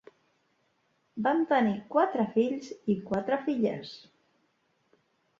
Van tenir quatre fills i quatre filles.